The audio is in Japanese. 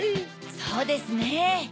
そうですね。